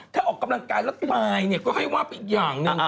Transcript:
ถ้าออกกำลังกายแล้วตายเนี่ยก็ให้ว่าไปอีกอย่างหนึ่ง